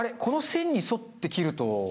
この線に沿って切ると。